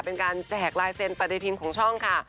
เป็นการแจกลายเซ็นปฏิทินของช่องค่ะ